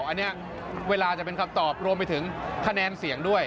อันนี้เวลาจะเป็นคำตอบรวมไปถึงคะแนนเสียงด้วย